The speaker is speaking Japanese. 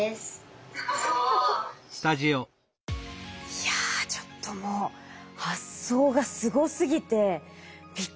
いやちょっともう発想がすごすぎてびっくりしてます。